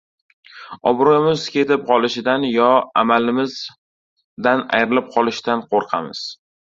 Obro‘yimiz ketib qolishidan, yo, amalimizdan ayrilib qolishdan qo‘rqamiz.